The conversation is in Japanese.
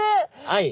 はい。